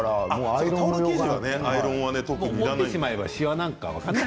持ってしまえばしわなんて。